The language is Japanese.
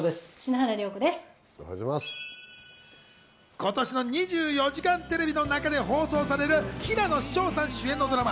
今年の『２４時間テレビ』の中で放送される平野紫耀さん主演のドラマ